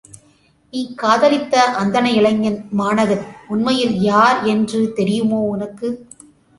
நீ காதலித்த அந்தண இளைஞன் மாணகன், உண்மையில் யார் என்று தெரியுமோ உனக்கு?